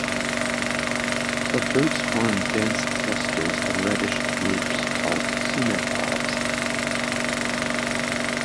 The fruits form dense clusters of reddish drupes called sumac bobs.